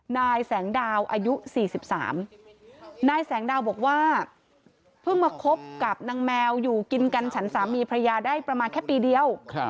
นายแสงดาวอายุ๔๓นายแสงดาวบอกว่าเพิ่งมาคบกับนางแมวอยู่กินกันฉันสามีพระยาได้ประมาณแค่ปีเดียว